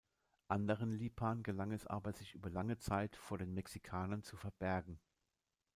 Anderen Lipan gelang es aber, sich über lange Zeit vor den Mexikanern zu verbergen.